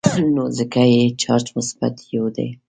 نو ځکه یې چارج مثبت یو دی.